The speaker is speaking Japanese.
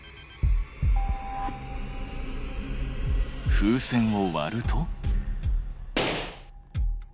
風船を割ると。